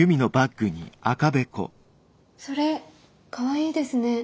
それかわいいですね。